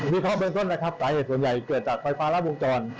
นี่ครั้งเป็นส้นรัสาเหตุส่วนใหญ่เป็นจากไฟฟ้าและวงจร